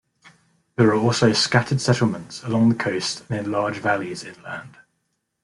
There are also scattered settlements along the coast and in the large valleys inland.